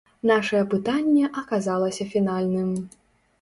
Нашае пытанне аказалася фінальным.